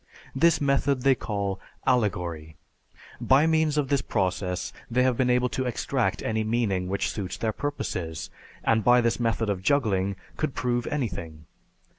This method they call "Allegory." By means of this process they have been able to extract any meaning which suits their purposes, and by this method of juggling could prove anything.